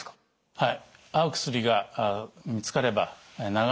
はい。